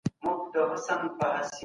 زه اجازه لرم چې منډه ووهم.